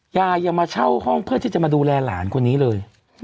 ยังมาเช่าห้องเพื่อที่จะมาดูแลหลานคนนี้เลย